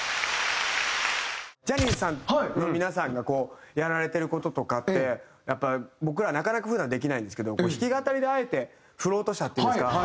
ジャニーズさんの皆さんがやられてる事とかってやっぱ僕らなかなか普段できないんですけど弾き語りであえてフロート車っていうんですか。